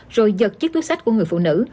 rồi giật chiếc túi sách của người phụ nữ